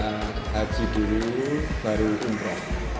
kita haji dulu baru umroh